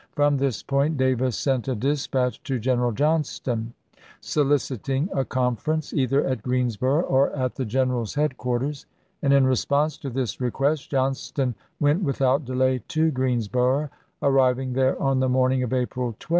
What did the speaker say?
From this point Davis sent a dispatch to General Johnston, soliciting a conference, either at Greensboro' or at the general's headquarters ; and in response to this request Johnston went without delay to Greens boro', arriving there on the morning of April 12.